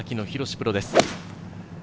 プロです。